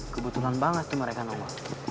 kebetulan banget tuh mereka nunggu